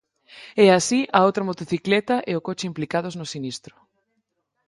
E así a outra motocicleta e o coche implicados no sinistro.